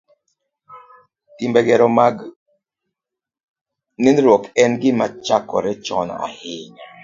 Timbe gero mag nindruok en gima chakore chon ahinya